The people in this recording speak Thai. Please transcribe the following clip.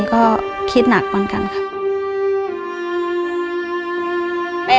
ก็คิดหนักเหมือนกันค่ะ